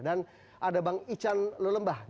dan ada bang ican lelembah direktur